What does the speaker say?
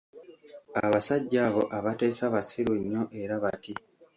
Abasajja abo abateesa basiru nnyo era bati.